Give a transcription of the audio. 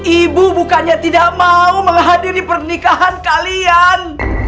ibu bukannya tidak mau menghadiri pernikahan kalian